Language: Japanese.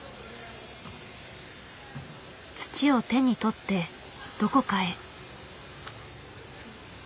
土を手に取ってどこかへ。